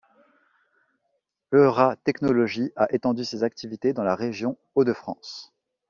EuraTechnologies a étendu ses activités dans la région Hauts-de-France.